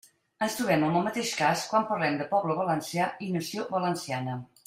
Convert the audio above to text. Ens trobem amb el mateix cas quan parlem de poble valencià i nació valenciana.